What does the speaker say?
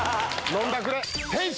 飲んだくれ！